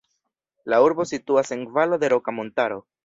La urbo situas en valo de Roka Montaro.